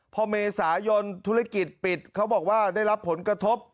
พอเมษายนธุรกิจปิดเขาบอกว่าได้รับผลกระทบ